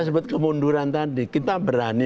sebut kemunduran tadi kita berani